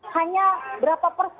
hanya berapa persoalan